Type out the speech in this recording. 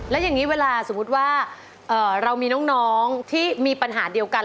แล้วอย่างนี้เวลาสมมุติว่าเรามีน้องที่มีปัญหาเดียวกัน